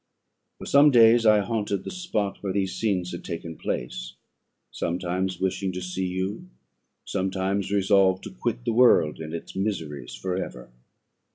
"For some days I haunted the spot where these scenes had taken place; sometimes wishing to see you, sometimes resolved to quit the world and its miseries for ever.